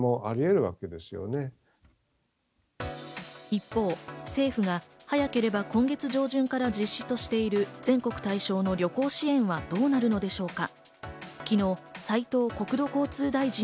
一方、政府が早ければ今月上旬から実施としている全国対象の旅行支援はどうなるのでしょうか。